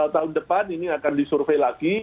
tahun depan ini akan disurvey lagi